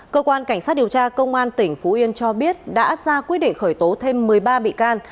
cơ quan cảnh sát điều tra công an tỉnh phú yên cho biết đã ra quyết định khởi tố thêm một mươi ba bị can